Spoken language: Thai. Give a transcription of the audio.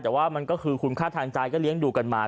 แต่ว่ามันก็คือคุณค่าทางใจก็เลี้ยงดูกันมา